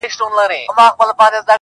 لوڅ بدن ته خړي سترگي يې نيولي٫